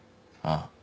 ああ。